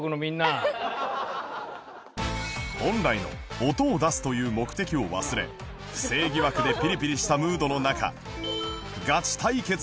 本来の音を出すという目的を忘れ不正疑惑でピリピリしたムードの中